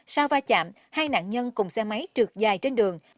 sau va chạm hai nạn nhân cùng xe máy trượt dài trên đường